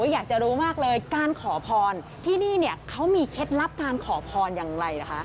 อยากจะรู้มากเลยการขอพรที่นี่เนี่ยเขามีเคล็ดลับการขอพรอย่างไรล่ะคะ